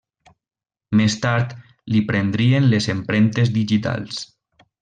Més tard, l'hi prendrien les empremtes digitals.